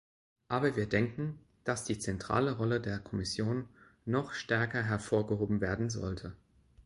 Aber wir denken, dass die zentrale Rolle der Kommission noch stärker hervorgehoben werden sollte.